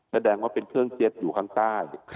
แสดงว่าเป็นเครื่องเจ็ตอยู่ข้างใต้